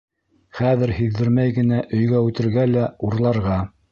Хәҙер һиҙҙермәй генә өйгә үтергә лә... урларға!